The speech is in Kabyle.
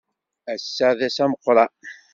Ass-a d ass ameqran.